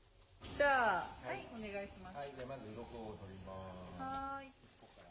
じゃあ、お願いします。